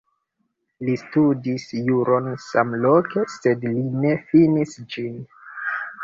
Li studis juron samloke, sed li ne finis ĝin.